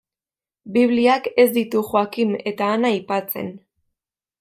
Bibliak ez ditu Joakim eta Ana aipatzen.